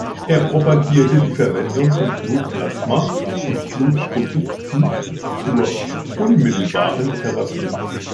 Er propagierte die Verwendung von Blutplasma und Blutprodukten zur unmittelbaren Therapie.